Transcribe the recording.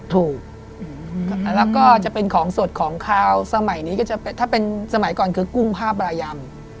ถูกแล้วก็จะเป็นของสดของขาวสมัยนี้ก็จะถ้าเป็นสมัยก่อนคือกุ้งผ้าบรายำ